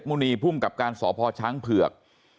พรุ่งกรอบการสทฉเผือก